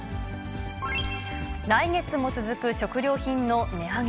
来月も続く食料品の値上げ。